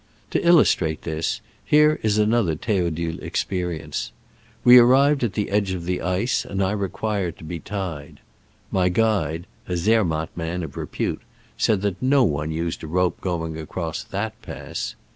To illustrate this, here is another Theodule experience. We arrived at the edge of the ice, and I re quired to be tied. My guide (a Zermatt man of repute) said that no one used a rope going across that pass.